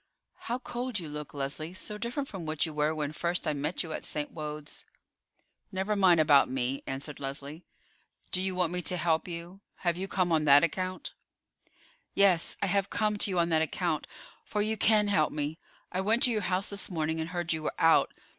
"How cold you look, Leslie; so different from what you were when first I met you at St. Wode's." "Never mind about me," answered Leslie. "Do you want me to help you? Have you come on that account?" "Yes. I have come to you on that account, for you can help me. I went to your house this morning and heard you were out.